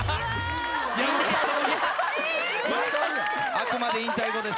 あくまで引退後です。